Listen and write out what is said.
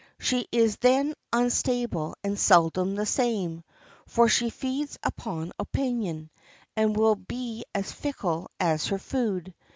She is then unstable and seldom the same, for she feeds upon opinion, and will be as fickle as her food.